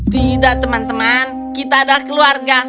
tidak teman teman kita adalah keluarga